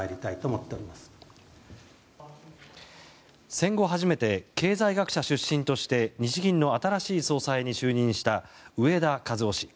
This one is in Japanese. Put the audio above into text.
戦後初めて経済学者出身として日銀の新しい総裁に就任した植田和男氏。